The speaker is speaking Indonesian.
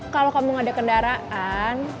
kalau kamu nggak ada kendaraan